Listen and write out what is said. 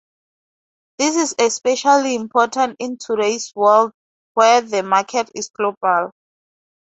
This is especially important in today's world where the market is global.